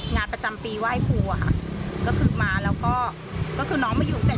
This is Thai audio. งานประจำปีไหว้ครูอะค่ะก็คือมาแล้วก็คือน้องมาอยู่เสร็จ